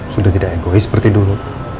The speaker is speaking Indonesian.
sudah tidak egois seperti dulu